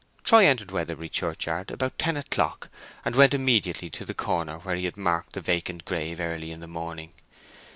Troy entered Weatherbury churchyard about ten o'clock and went immediately to the corner where he had marked the vacant grave early in the morning.